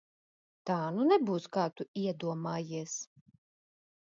Tā nu nebūs, kā Tu iedomājies!